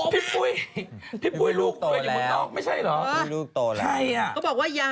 พี่ปุ้ยลูกโตแล้ว